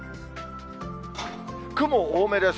雲多めです。